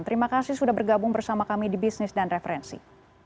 terima kasih sudah bergabung bersama kami di bisnis dan referensi